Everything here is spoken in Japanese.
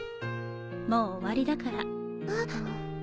もう終わりだから。